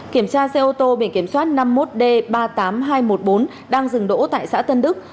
kiểm tra xe ô tô biển kiểm soát năm mươi một d ba mươi tám nghìn hai trăm một mươi bốn đang dừng đỗ tại xã tân đức